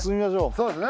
そうですね。